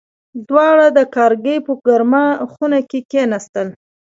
دواړه د کارنګي په ګرمه خونه کې کېناستل